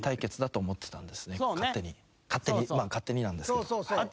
まあ勝手になんですけど。